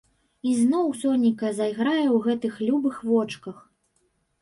І зноў сонейка зайграе ў гэтых любых вочках.